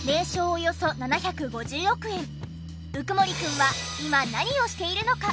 およそ７５０億円鵜久森くんは今何をしているのか？